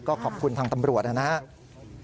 ก็ขอบคุณทางตำรวจนะครับ